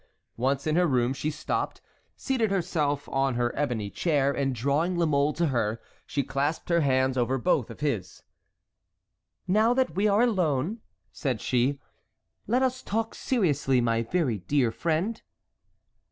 Once in her room she stopped, seated herself on her ebony chair, and drawing La Mole to her, she clasped her hands over both of his. "Now that we are alone," said she, "let us talk seriously, my very dear friend."